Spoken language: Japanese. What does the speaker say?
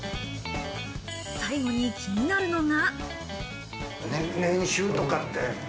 最後に気になるのは。